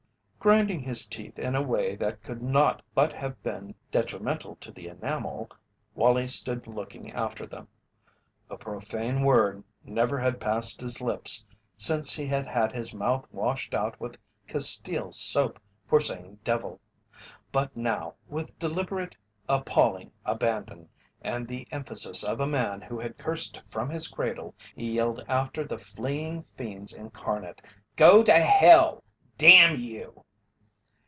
Grinding his teeth in a way that could not but have been detrimental to the enamel, Wallie stood looking after them. A profane word never had passed his lips since he had had his mouth washed out with castile soap for saying "devil." But now with deliberate, appalling abandon, and the emphasis of a man who had cursed from his cradle, he yelled after the fleeing fiends incarnate: "Go to hell damn you!"